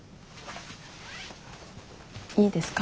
いいですか？